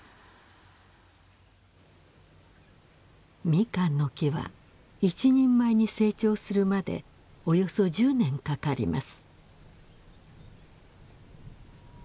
ミカンの木は一人前に成長するまでおよそ１０年かかります。